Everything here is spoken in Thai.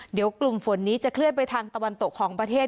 เดี๋ยวกลุ่มฝนนี้จะเคลื่อนไปทางตะวันตกของประเทศ